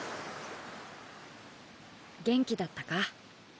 元気だったか。